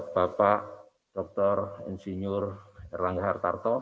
bapak dr insinyur erlangga hartarto